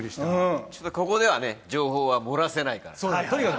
ここでは情報は漏らせないから。